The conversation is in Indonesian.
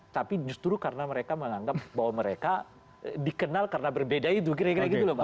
tapi justru karena mereka menganggap bahwa mereka dikenal karena berbeda itu kira kira gitu loh mas